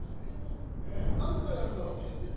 何時からやるんだろう？